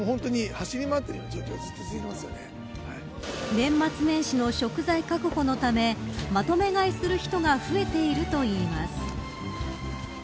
年末年始の食材確保のためまとめ買いする人が増えているといいます。